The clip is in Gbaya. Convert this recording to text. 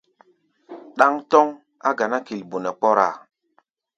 Ɗáŋ tɔ́ŋ á ganá kilbo nɛ kpɔ́rá-a.